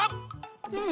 うん？